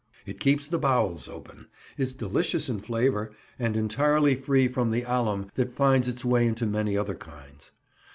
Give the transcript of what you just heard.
It keeps the bowels open, is delicious in flavour, and entirely free from the alum that finds its way into many other kinds.